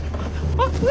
あっ！